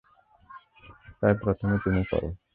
তাই প্রথমে তুমি করো!